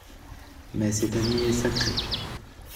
Mais cet ami est sacré.